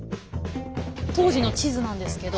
当時の地図なんですけど。